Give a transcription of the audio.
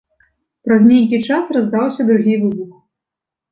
Праз нейкі час раздаўся другі выбух.